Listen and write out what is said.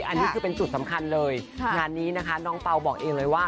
อันนี้คือเป็นจุดสำคัญเลยงานนี้นะคะน้องเปล่าบอกเองเลยว่า